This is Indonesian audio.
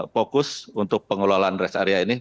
fokus untuk pengelolaan rest area ini